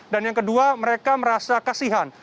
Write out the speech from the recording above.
dan yang kedua mereka merasa kasihan